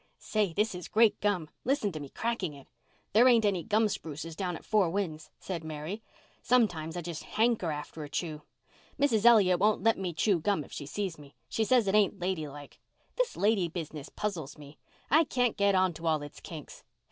"Say, this is great gum. Listen to me cracking it. There ain't any gum spruces down at Four Winds," said Mary. "Sometimes I just hanker after a chew. Mrs. Elliott won't let me chew gum if she sees me. She says it ain't lady like. This lady business puzzles me. I can't get on to all its kinks.